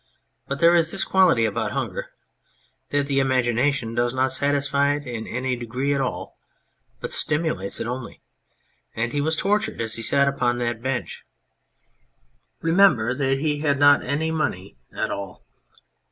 But there is this quality about hunger, that the imagination does not satisfy it in any degree at all, but stimulates it only, and he was tortured as he sat upon that bench. Remember that he had not any money at all.